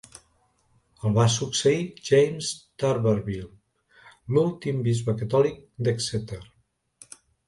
El va succeir James Turberville, l'últim bisbe catòlic d'Exeter.